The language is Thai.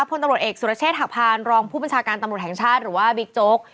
พลตำรวจเอกสุรเชษฐหักพานรองผู้บัญชาการตำรวจแห่งชาติหรือว่าบิ๊กโจ๊ก